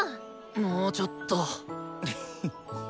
もうちょっと！